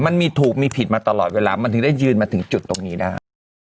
มันมีถูกมีผิดมาตลอดเวลามันถึงได้ยืนมาถึงจุดตรงนี้ได้